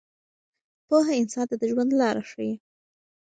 پوهه انسان ته د ژوند لاره ښیي.